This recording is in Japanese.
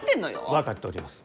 分かっております。